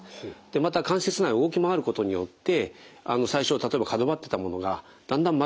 また関節内を動き回ることによって最初は例えば角張っていたものがだんだん丸くなってですね